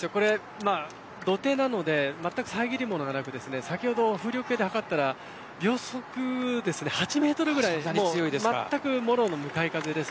土手なのでまったく遮るものがなく先ほど、風力計でかかったら秒速８メートルぐらいもろの向かい風です。